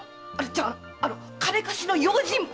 じゃあ金貸しの用心棒！